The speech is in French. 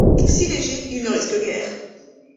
Si légers, ils ne risquent guère.